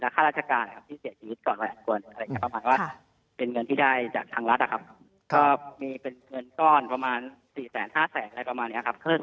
ก็มีเป็นเงินต้อนประมาณ๔แสน๕แสนอะไรประมาณนี้ครับ